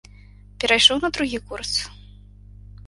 Перайшоў на другі курс?